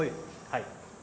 はい。